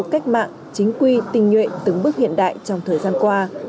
cách mạng chính quy tinh nhuệ tứng bước hiện đại trong thời gian qua